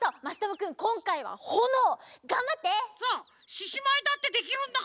ししまいだってできるんだから。